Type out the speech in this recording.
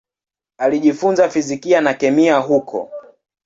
Alijifunza fizikia na kemia huko.